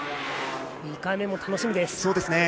２回目も楽しみです。